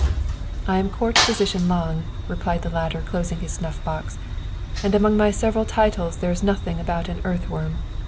" I am Court Physician Lange," replied the latter, clos ing his snuff box. " And among my several titles there is nothing about an earthworm.